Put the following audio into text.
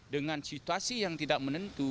dengan situasi yang tidak menentu